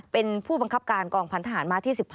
เป็นผู้บังคับการกองพันธหารมาที่๑๕